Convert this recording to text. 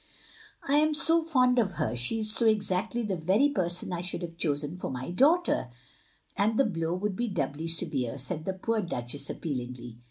"I am so fond of her — she is so exactly the very person I should have chosen for my daughter, that the blow would be doubly severe, " said the poor Duchess, appealingly.